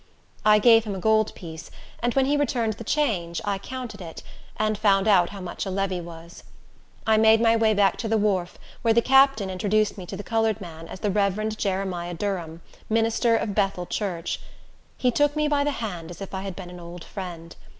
I gave him a gold piece, and when he returned the change, I counted it, and found out how much a levy was. I made my way back to the wharf, where the captain introduced me to the colored man, as the Rev. Jeremiah Durham, minister of Bethel church. He took me by the hand, as if I had been an old friend.